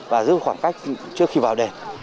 và giữ khoảng cách trước khi vào đền